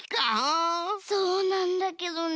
そうなんだけどね。